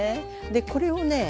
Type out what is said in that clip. でこれをね